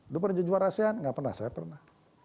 dia pernah jadi juara asean gak pernah saya pernah